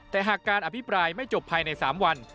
แต่หากการอภิปรายไม่จบภายใน๓วัน